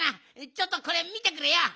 ちょっとこれみてくれよ。